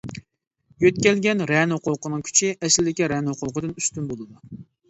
يۆتكەلگەن رەنە ھوقۇقىنىڭ كۈچى ئەسلىدىكى رەنە ھوقۇقىدىن ئۈستۈن بولىدۇ.